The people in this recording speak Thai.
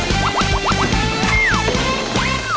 อีซูซูดีแม็กซ์บลูพาวเวอร์นวัตกรรมเปลี่ยนโลก